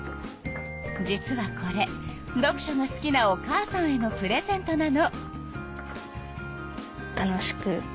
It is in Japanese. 実はこれ読書が好きなお母さんへのプレゼントなの。